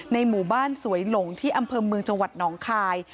หมู่บ้านสวยหลงที่อำเภอเมืองจังหวัดหนองคาย